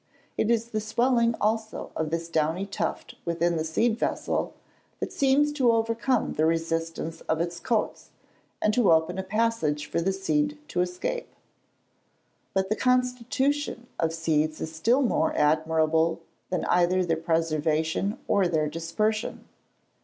It is the swelling also of this downy tuft within the seed vessel that seems to overcome the resistance of its coats, and to open a passage for the seed to escape. But the constitution of seeds is still more admirable than either their preservation or their dispersion.